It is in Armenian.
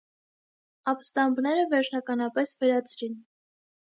Ապստամբները վերջնականապես վերացրին։